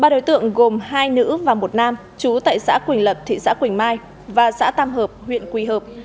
ba đối tượng gồm hai nữ và một nam chú tại xã quỳnh lập thị xã quỳnh mai và xã tam hợp huyện quỳ hợp